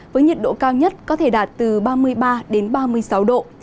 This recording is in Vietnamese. với nhiệt độ cao nhất có thể đạt từ ba mươi ba đến ba mươi sáu độ